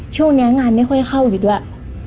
ช่วงนี้งานไม่ค่อยเข้าอีกด้วย